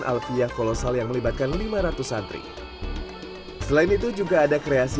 akulturasi berasimilasi dan beradaptasi